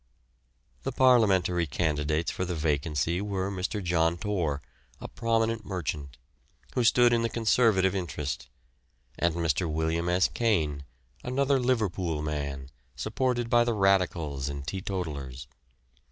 The parliamentary candidates for the vacancy were Mr. John Torr, a prominent merchant, who stood in the Conservative interest, and Mr. William S. Caine, another Liverpool man, supported by the Radicals and teetotalers.